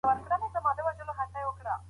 ډیپلوماټان به نړیوالي اړیکي پیاوړي کړي.